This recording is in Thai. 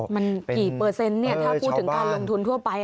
มันกี่เปอร์เซ็นต์ถ้าพูดถึงการลงทุนทั่วไป